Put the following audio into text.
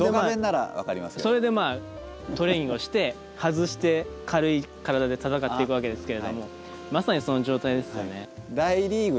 それでまあトレーニングをして外して軽い体で戦っていくわけですけれどもまさにその状態ですよね。